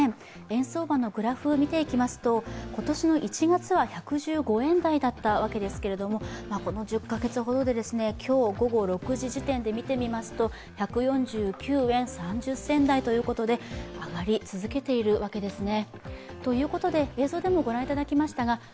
円相場のグラフを見ていきますと、今年の１月は１１５円台だったわけですけれども、この１０か月ほどで今日午後６時時点で見てみますと１４９円３０銭台ということで上がり続けているわけですね。